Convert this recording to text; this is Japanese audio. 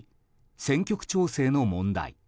選挙区調整の問題。